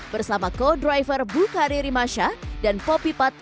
bersama co driver bukhari rimasya dan poppy patanjali